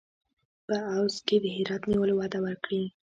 په عوض کې د هرات نیولو وعده ورکړي.